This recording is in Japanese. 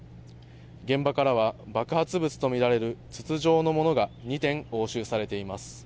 現場からは爆発物と見られる筒状のものが２点、押収されています。